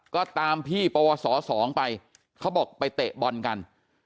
ก็ตามพี่ปวส๒ไปเขาบอกไปเตะบอลกัน